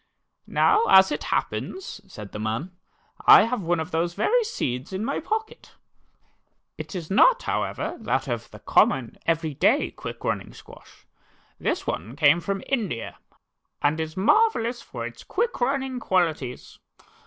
"Now, as it happens," said the man, "I have one of those very seeds in my pocket. It is not. however, that of the common, ever} day quick running squash. This one came from India, and is mar\'ellous for its quick running qualities.